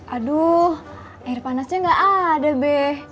aduh air panasnya nggak ada be